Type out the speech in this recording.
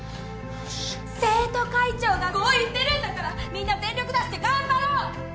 生徒会長がこう言ってるんだからみんな全力出して頑張ろう！